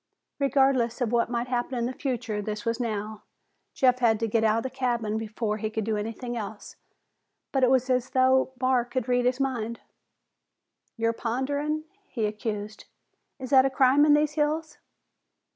Regardless of what might happen in the future, this was now. Jeff had to get out of the cabin before he could do anything else, but it was as though Barr could read his mind. "You're ponderin'," he accused. "Is that a crime in these hills?"